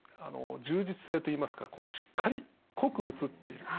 充実性といいますかしっかり濃く写っている。